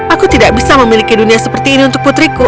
aku tidak bisa memiliki dunia seperti ini untuk putriku